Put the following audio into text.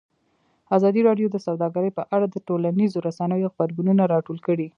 ازادي راډیو د سوداګري په اړه د ټولنیزو رسنیو غبرګونونه راټول کړي.